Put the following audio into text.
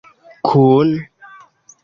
kun